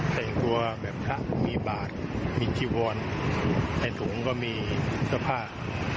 ใส่ตัวแบบค่ะมีบาทมีจีวอนใส่ถุงก็มีสภาพ